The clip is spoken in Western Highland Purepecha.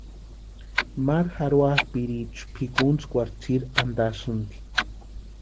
Maru jarhoapʼiriecha pʼikuntskwarhu tsiri antasïnti.